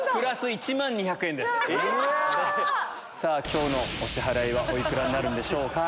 今日のお支払いはお幾らになるんでしょうか。